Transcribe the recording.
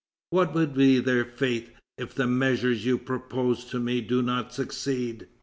What would be their fate if the measures you propose to me did not succeed?"